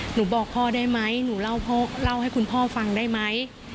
บอกพ่อได้ไหมหนูเล่าให้คุณพ่อฟังได้ไหม